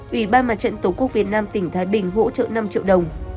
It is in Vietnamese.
ủy ban mặt trận tổ quốc việt nam tỉnh thái bình hỗ trợ năm triệu đồng